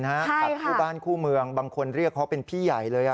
ขัดคู่บ้านคู่เมืองบางคนเรียกเขาเป็นพี่ใหญ่เลย